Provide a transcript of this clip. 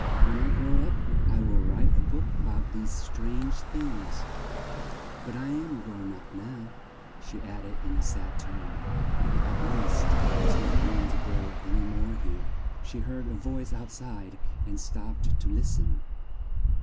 When I grow up I'll write a book a bout these strange things but I'm grown up now," she added in a sad tone, "at least there's no room to grow an y more here." She heard a voice out side and stopped to list en.